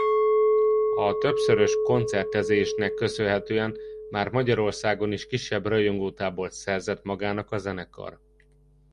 A többszörös koncertezésnek köszönhetően már Magyarországon is kisebb rajongótábort szerzett magának a zenekar.